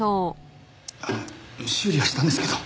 あの修理はしたんですけど。